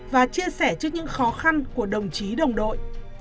và chia sẻ trước những khó khăn của đồng chí đồng đội